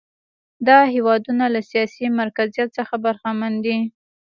دا هېوادونه له سیاسي مرکزیت څخه برخمن دي.